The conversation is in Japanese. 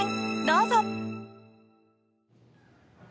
どうぞ！